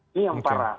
ini yang parah